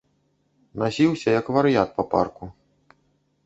Насіўся, як вар'ят, па парку.